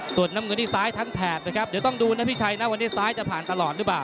ส่วนน้ำเงินนี่ซ้ายทั้งแถบนะครับเดี๋ยวต้องดูนะพี่ชัยนะวันนี้ซ้ายจะผ่านตลอดหรือเปล่า